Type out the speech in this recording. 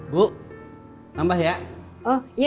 bu nambah ya oh iya bentar